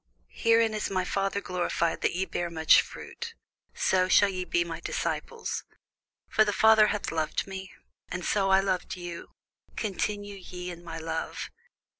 Herein is my Father glorified, that ye bear much fruit; so shall ye be my disciples. As the Father hath loved me, so have I loved you: continue ye in my love.